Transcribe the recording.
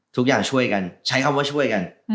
ทุกอย่างช่วยกันใช้คำว่าช่วยกัน